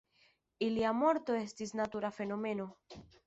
Ilia morto estis natura fenomeno.